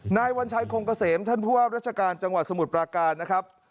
วัญชัยคงเกษมท่านผู้ว่าราชการจังหวัดสมุทรปราการนะครับ